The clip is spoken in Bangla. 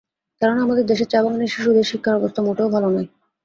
কেননা, আমাদের দেশের চা বাগানের শিশুদের শিক্ষার অবস্থা মোটেও ভালো নয়।